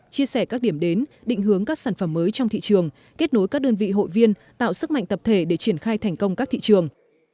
chia sẻ các điểm đến định hướng các sản phẩm mới trong thị trường kết nối các đơn vị hội viên tạo sức mạnh tập thể để triển khai thành công các thị trường